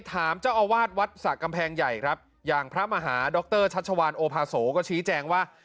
ถามเจ้าอาวาสวัดสระกำแพงใหญ่ครับอย่างพระมหาดรชัชวานโอภาโสก็ชี้แจงว่า